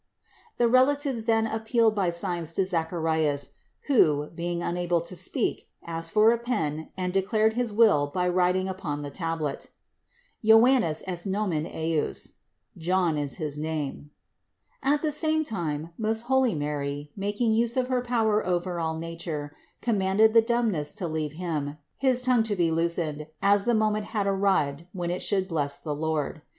291. The relatives then appealed by signs to Zacha rias, who, being unable to speak, asked for a pen and declared his will by writing upon the tablet : "Johannes est nomen ejus." "John is his name." At the same time most holy Mary, making use of her power over all nature, commanded the dumbness to leave him, his tongue to be loosened, as the moment had arrived when it should bless the Lord.